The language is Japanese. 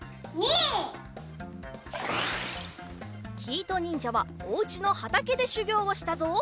きいとにんじゃはおうちのはたけでしゅぎょうをしたぞ。